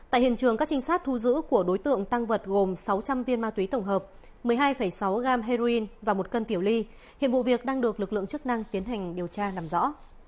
tại hiện trường các trinh sát thu giữ của đối tượng tăng vật gồm sáu trăm linh viên ma túy tổng hợp một mươi hai sáu gram heroin và một cân tiểu ly hiện vụ việc đang được lực lượng chức năng tiến hành điều tra làm rõ